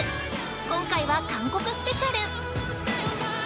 今回は韓国スペシャル！